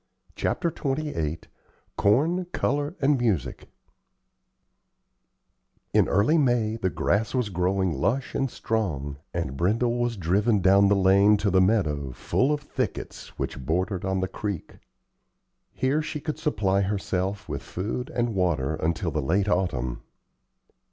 CHAPTER XXVIII CORN, COLOR, AND MUSIC In early May the grass was growing lush and strong, and Brindle was driven down the lane to the meadow, full of thickets, which bordered on the creek. Here she could supply herself with food and water until the late autumn.